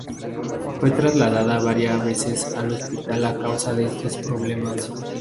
Fue trasladada varia veces al hospital a causa de estos problemas.